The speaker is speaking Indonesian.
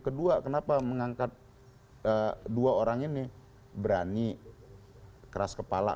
kedua kenapa mengangkat dua orang ini berani keras kepala